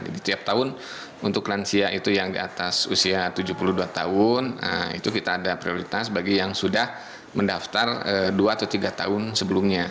jadi tiap tahun untuk lansia itu yang di atas usia tujuh puluh dua tahun itu kita ada prioritas bagi yang sudah mendaftar dua atau tiga tahun sebelumnya